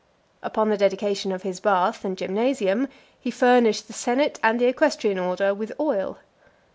Upon the dedication of his bath and gymnasium, he furnished the senate and the equestrian order with oil.